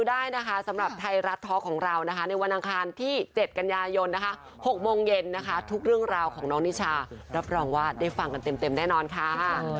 อืมถ้าเขาถามคำถามนี้นุ่นจะบอกเขาว่า